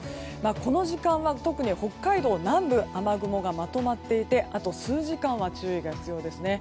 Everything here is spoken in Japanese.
この時間は特に北海道南部雨雲がまとまっていてあと数時間は注意が必要ですね。